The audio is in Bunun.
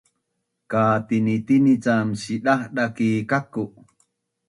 katinitini cam sidahdah ki kaku’